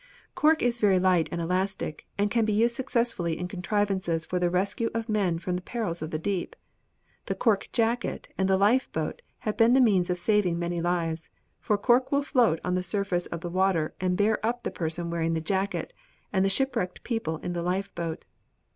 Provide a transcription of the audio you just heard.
"Cork is very light and elastic, and can be used successfully in contrivances for the rescue of men from the perils of the deep. The cork jacket and the lifeboat have been the means of saving many lives, for cork will float on the surface of the water and bear up the person wearing the jacket and the shipwrecked people in the lifeboat.